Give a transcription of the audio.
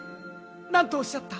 何とおっしゃった！